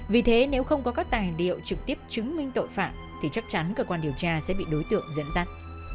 vì thế nếu không có các tài liệu trực tiếp chứng minh tội phạm thì chắc chắn cơ quan điều tra sẽ bị đối tượng dẫn dắt